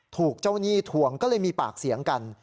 ถูกเจ้าหนี้ทวงก็เลยมีปากเสียงกัน